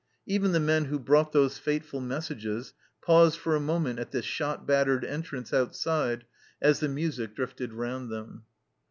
Even the men who brought those fateful messages paused for a moment at the shot battered entrance outside as the music drifted round them.